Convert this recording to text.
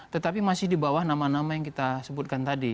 tetapi masih di bawah nama nama yang kita sebutkan tadi